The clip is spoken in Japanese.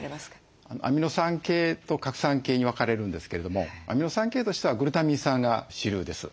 アミノ酸系と核酸系に分かれるんですけれどもアミノ酸系としてはグルタミン酸が主流です。